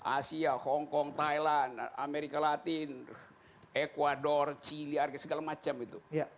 asia hongkong thailand amerika latin ecuador china segala macam itu